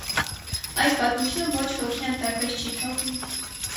Այս պատմությունը ոչ ոքի անտարբեր չի թողնի։